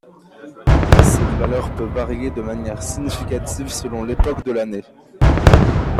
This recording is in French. Cette valeur peut varier de manière significative selon l’époque de l’année.